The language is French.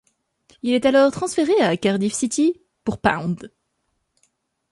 Il est alors transféré à Cardiff City pour £.